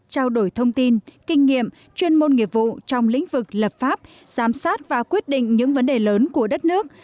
trao đổi thông tin kinh nghiệm chuyên môn nghiệp vụ trong lĩnh vực lập pháp giám sát và quyết định những vấn đề lớn của đất nước